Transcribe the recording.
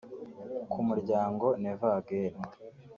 Ku muryango Never Again